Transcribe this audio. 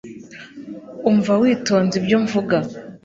umva witonze ibyo mvuga